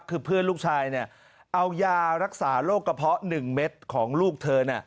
คือเพื่อนลูกชายเนี่ยเอายารักษาโรคกระเพาะหนึ่งเม็ดของลูกเธอน่ะ